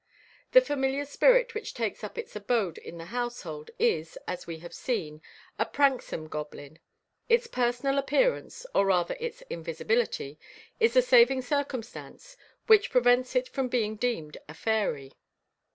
The familiar spirit which takes up its abode in the household is, as we have seen, a pranksome goblin. Its personal appearance or rather its invisibility is the saving circumstance which prevents it from being deemed a fairy.